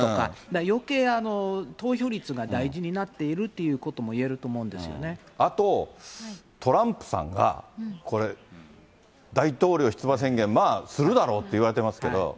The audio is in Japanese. だからよけい投票率が大事になっているっていうこともいえると思あと、トランプさんがこれ、大統領出馬宣言、まあ、するだろうといわれてますけれども。